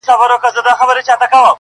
د جلا حُسن چيرمني، د جلا ښايست خاوندي~